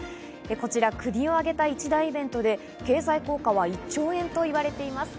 こちら国を挙げた一大イベントで、経済効果は１兆円と言われています。